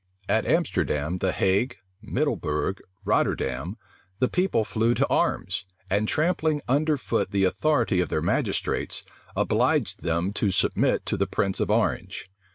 At Amsterdam, the Hague, Middlebourg, Rotterdam, the people flew to arms, and trampling under foot the authority of their magistrates, obliged them to submit to the prince of Orange.